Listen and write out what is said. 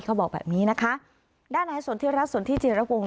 เขาบอกแบบนี้นะคะด้านในส่วนที่รัฐส่วนที่เจียรักวงศ์